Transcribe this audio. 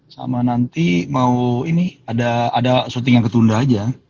sama nanti mau ini ada syuting yang ketunda aja